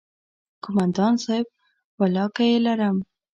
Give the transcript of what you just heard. کومندان صايب ولله که يې لرم.